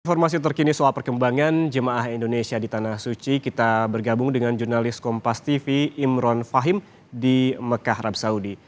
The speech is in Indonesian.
informasi terkini soal perkembangan jemaah indonesia di tanah suci kita bergabung dengan jurnalis kompas tv imron fahim di mekah arab saudi